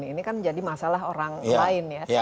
ini kan jadi masalah orang lain ya